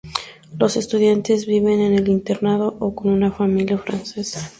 Los estudiantes viven en el internado o con una familia francesa.